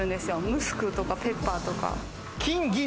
ムスクとか、ペッパーとか。